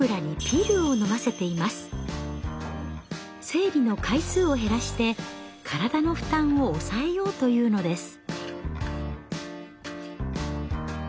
生理の回数を減らして体の負担を抑えようというのです。